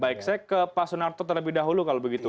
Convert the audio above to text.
baik saya ke pak sunarto terlebih dahulu kalau begitu